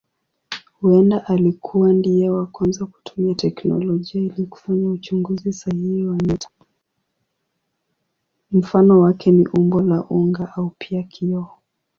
Mfano wake ni umbo la unga au pia kioo.